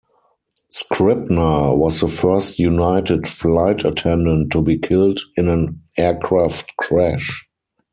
Scribner was the first United flight attendant to be killed in an aircraft crash.